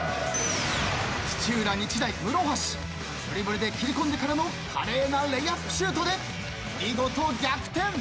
土浦日大室橋ドリブルで切り込んでからの華麗なレイアップシュートで見事逆転。